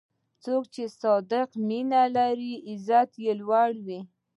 څوک چې صادق مینه لري، عزت یې لوړ وي.